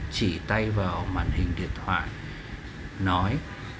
chỉ tay vào màn hình điện thoại nói